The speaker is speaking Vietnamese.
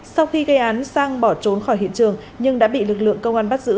sau khi gây án sang bỏ trốn khỏi hiện trường nhưng đã bị lực lượng công an bắt giữ